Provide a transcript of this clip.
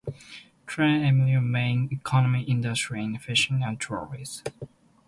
Today, Elmina's main economic industry is fishing and tourism.